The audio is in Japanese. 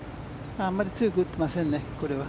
あまり強く打ってませんねこれは。